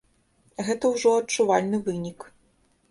Гэта ўжо адчувальны вынік.